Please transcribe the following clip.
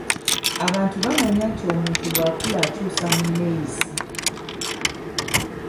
Abantu bamanya nti omuntu bw’akula akyusa mu nneeyisa.